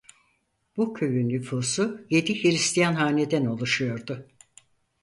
Bu köyün nüfusu yedi Hristiyan haneden oluşuyordu.